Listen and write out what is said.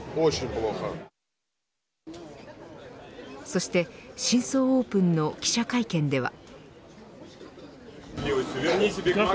そして新装オープンの記者会見では。